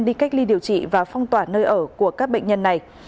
đi cách ly điều trị và phong tỏa nơi ở của các bệnh nhân này